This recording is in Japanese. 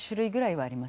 はあ。